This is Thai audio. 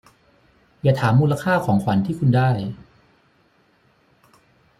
อย่าถามมูลค่าของขวัญที่คุณได้